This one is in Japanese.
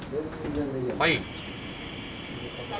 はい。